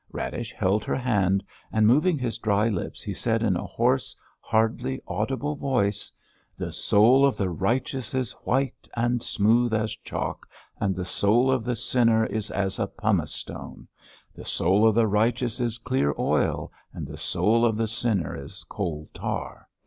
Radish held her hand, and moving his dry lips he said in a hoarse, hardly audible voice: "The soul of the righteous is white and smooth as chalk; and the soul of the sinner is as a pumice stone. The soul of the righteous is clear oil, and the soul of the sinner is coal tar.